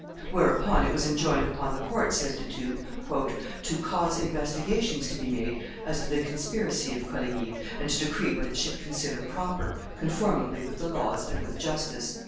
Whereupon it was enjoined upon the court, says De Thou, "to cause investigations to be made as to the conspiracy of Coligny, and to decree what it should consider proper, conformably with the laws and with justice."